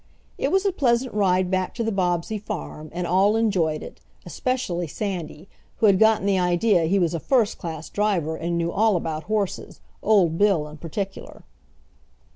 It was a pleasant ride back to the Bobbsey farm, and all enjoyed it especially Sandy, who had gotten the idea he was a first class driver and knew all about horses, old Bill, in particular.